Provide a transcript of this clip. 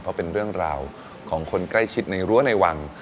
เพราะเป็นเรื่องราวของคนใกล้ชิดในรั้วในวัง